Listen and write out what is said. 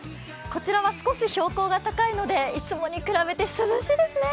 こちらは少し標高が高いのでいつもに比べて涼しいですね。